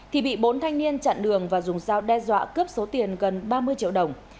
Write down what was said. thì bị bốn thanh niên chặn đường và dùng dao đe dọa cướp số tiền gần ba mươi triệu đồng